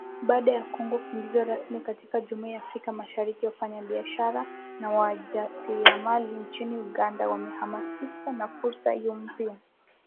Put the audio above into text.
Baada ya Kongo kuingizwa rasmi katika Jumuiya ya Afrika Mashariki, wafanyabiashara na wajasiriamali nchini Uganda wamehamasika na fursa hizo mpya.